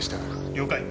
了解。